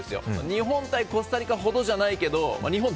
日本対コスタリカほどじゃないけど日本